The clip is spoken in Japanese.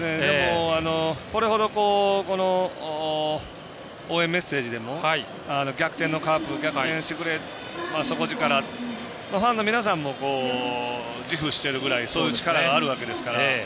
これほど応援メッセージでも逆転のカープ、逆転してくれ底力、ファンの皆さんも自負しているぐらいそういう力があるわけですから。